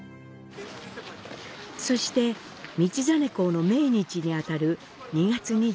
そして道真公の命日に当たる２月２５日。